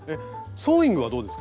ソーイングはどうですか？